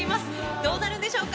どうなるんでしょうか。